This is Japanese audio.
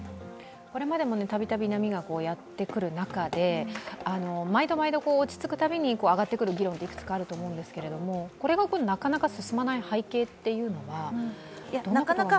これまでも度々、波がやってくる中で、毎度毎度、落ち着くたびに上がってくる議論はいくつかあると思うんですがこれがなかなか進まない背景は、どんなことがあるんでしょうか。